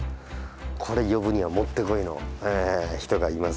これ呼ぶにはもってこいの人がいますので。